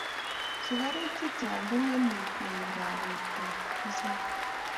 Sukaruk chechang kongemei mieindap bortap kipkosobei